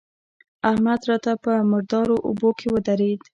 احمد راته په مردارو اوبو کې ودرېد.